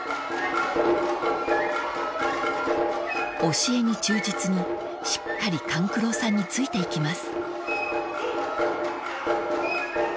［教えに忠実にしっかり勘九郎さんについていきます］